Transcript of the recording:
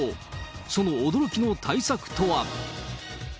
その驚きの対策とは。